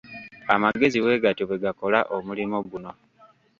Amagezi bwe gatyo bwe gakola omulimo guno.